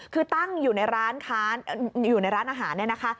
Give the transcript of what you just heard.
คือตั้งอยู่ในร้านอาหารเนี่ยนะคะ